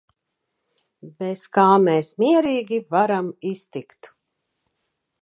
Bez kā mēs mierīgi varam iztikt.